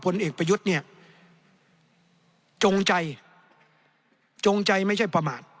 ผลเอกประยุทธ์เนี่ยจงใจจงใจไม่ใช่ประมาท